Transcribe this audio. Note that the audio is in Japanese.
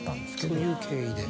そういう経緯で。